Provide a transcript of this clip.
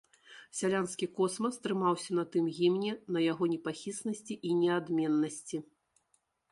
Сялянскі космас трымаўся на тым гімне, на яго непахіснасці і неадменнасці.